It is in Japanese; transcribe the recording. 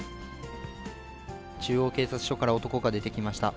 中央警察署から男が出てきました。